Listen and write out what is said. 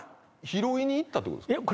拾いにいったってことですか？